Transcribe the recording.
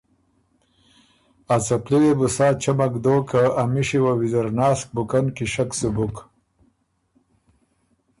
ا څپلی وې بو سا چمک دوک که ا مِشی وه ویزر ناسک بُکن کِشک سُو بُک